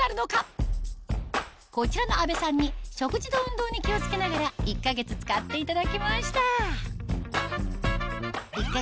こちらの阿部さんに食事と運動に気を付けながら１か月使っていただきました